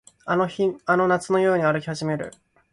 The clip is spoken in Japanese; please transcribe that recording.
あの夏のように歩き始める